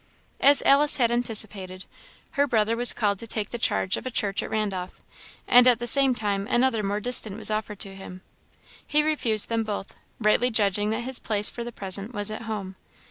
As Alice had anticipated, her brother was called to take the charge of a church at Randolph, and at the same time another more distant was offered him. He refused them both, rightly judging that his place for the present was at home.